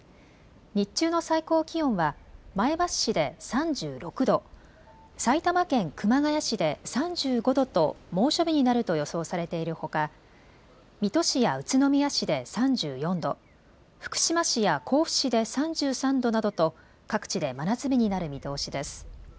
日中の最高気温は前橋市で３６度、埼玉県熊谷市で３５度と猛暑日になると予想されているほか水戸市や宇都宮市で３４度、福島市や甲府市で３３度などと各地で真夏日になる見通しです。